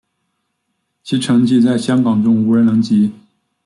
其成绩在香港中无人能及。